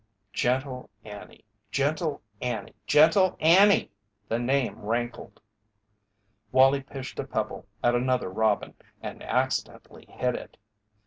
"Gentle Annie! Gentle Annie! Gentle Annie!" The name rankled. Wallie pitched a pebble at another robin and accidentally hit it.